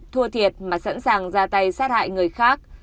thua thiệt mà sẵn sàng ra tay sát hại người khác